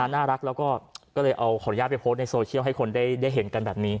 น่ารักแล้วก็ก็เลยเอาขออนุญาตไปโพสต์ในโซเชียลให้คนได้เห็นกันแบบนี้